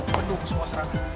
penduk semua serata